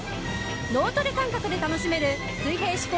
脳トレ感覚で楽しめる水平思考